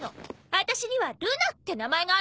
あたしにはルナって名前があるわ。